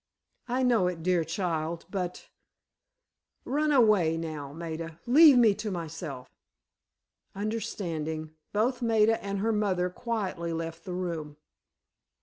"I know it, dear child, but—run away, now, Maida, leave me to myself." Understanding, both Maida and her mother quietly left the room.